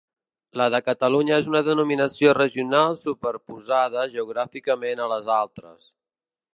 La de Catalunya és una denominació regional superposada geogràficament a les altres.